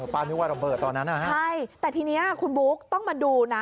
ป้านึกว่าระเบิดตอนนั้นนะฮะใช่แต่ทีนี้คุณบุ๊คต้องมาดูนะ